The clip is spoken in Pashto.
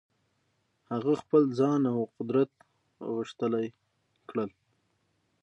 هغه خپل ځان او قدرت غښتلي کړل.